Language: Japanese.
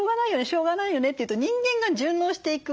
しょうがないよねっていうと人間が順応していく。